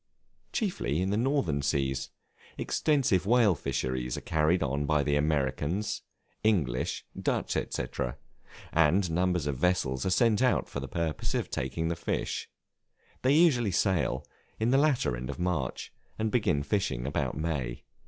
Chiefly in the Northern Seas: extensive whale fisheries are carried on by the Americans, English, Dutch, &c., and numbers of vessels are sent out for the purpose of taking the fish: they usually sail in the latter end of March, and begin fishing about May.